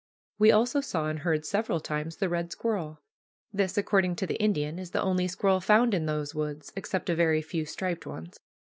We also saw and heard several times the red squirrel. This, according to the Indian, is the only squirrel found in those woods, except a very few striped ones.